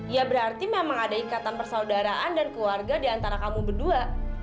ya berarti memang ada ikatan persaudaraan dan keluarga diantara kamu berdua